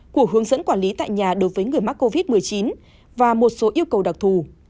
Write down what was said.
của hướng dẫn quản lý tại nhà đối với người mắc covid một mươi chín và một số yêu cầu đặc thù